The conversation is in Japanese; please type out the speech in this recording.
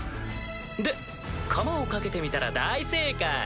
でカマをかけてみたら大正解。